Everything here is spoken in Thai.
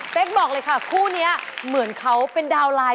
บอกเลยค่ะคู่นี้เหมือนเขาเป็นดาวนไลน์